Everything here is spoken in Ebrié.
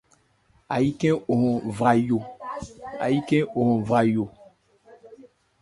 Áyí khɛ́n o hɔ́n vra yo.